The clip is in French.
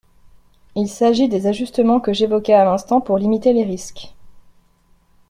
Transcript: Il s’agit des ajustements que j’évoquais à l’instant pour limiter les risques.